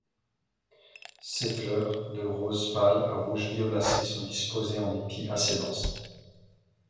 Ses fleurs, de rose pâle à rouge violacé sont disposées en épi assez dense.